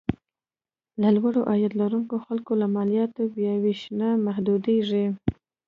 د لوړ عاید لرونکو خلکو له مالیاتو بیاوېشنه محدودېږي.